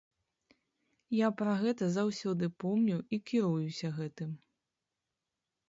Я пра гэта заўсёды помню і кіруюся гэтым.